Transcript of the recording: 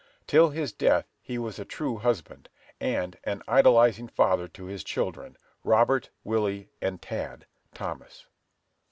Till his death he was a true husband, and an idolizing father to his children, Robert, Willie, and Tad (Thomas).